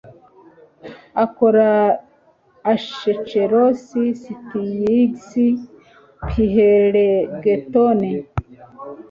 ikora Acheron Styx Phlegeton